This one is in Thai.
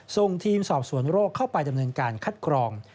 ส่งทีมสอบสวนโรคเข้าไปดำเนินการคัดกรอง